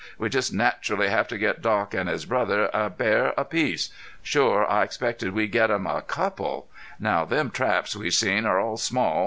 We jest naturally have to get Doc an' his brother a bear apiece. Shore I expected we'd get 'em a couple. Now, them traps we seen are all small.